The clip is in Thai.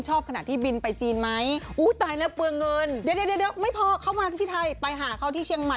ตั้งชื่อเลย